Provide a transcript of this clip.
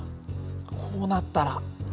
こうなったら。